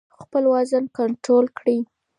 خپل وزن کنټرول کړئ.